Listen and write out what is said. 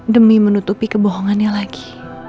demi menutupi kebohongannya lagi